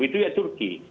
begitu ya turki